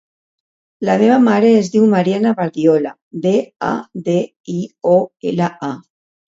La meva mare es diu Mariana Badiola: be, a, de, i, o, ela, a.